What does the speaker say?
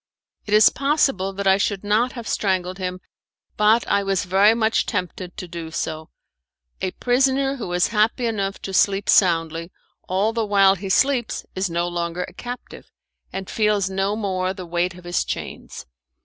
It is possible that I should not have strangled him, but I was very much tempted to do so. A prisoner who is happy enough to sleep soundly, all the while he sleeps is no longer a captive, and feels no more the weight of his chains.